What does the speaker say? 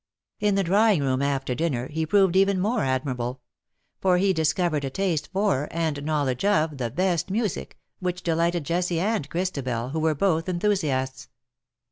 In the drawing room^ after dinner, he proved even more admirable; for he discovered a taste for, and knowledge of, the best music, which delighted Jessie and Christabel, who were both enthusiasts.